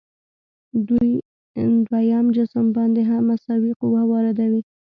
دوی دویم جسم باندې هم مساوي قوه واردوي.